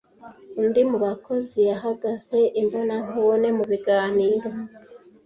undi mu bakozi yahagaze imbonankubone mu biganiro.